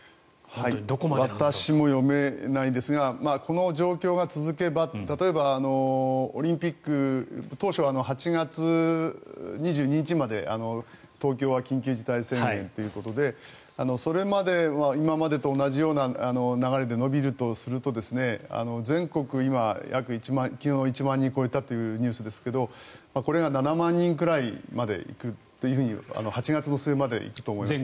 私も読めないですがこの状況が続けば例えばオリンピック当初は８月２２日まで東京は緊急事態宣言ということでそれまで、今までと同じような流れで伸びるとすると全国今、昨日１万人超えたというニュースですけどこれが７万人ぐらいまで行くと８月の末までに行くと思います。